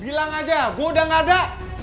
bilang aja gue udah nggak ada